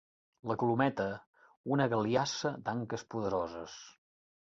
La Colometa, una galiassa d'anques poderoses.